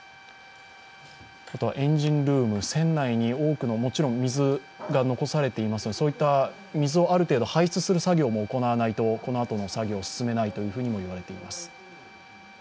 あと、エンジンルーム船内に多くの水が残されていますので、水をある程度排出する作業も行わないとこのあとの作業、進めないとも言われています。